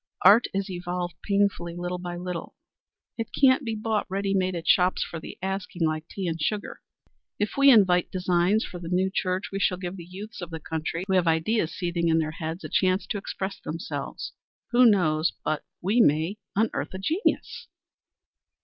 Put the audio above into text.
Art is evolved painfully, little by little; it can't be bought ready made at shops for the asking like tea and sugar. If we invite designs for the new church, we shall give the youths of the country who have ideas seething in their heads a chance to express themselves. Who knows but we may unearth a genius?"